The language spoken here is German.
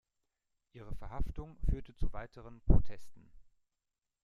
Ihre Verhaftung führte zu weiteren Protesten.